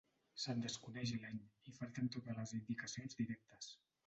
Se'n desconeix l'any i falten totes les indicacions directes.